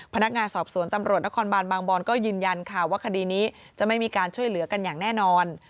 พนักงานสอบสวนตำรวจนครบานบางบอนก็ยืนยันค่ะว่าคดีนี้จะไม่มีการช่วยเหลือกันอย่างแน่นอน